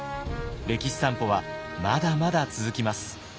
歴史散歩はまだまだ続きます。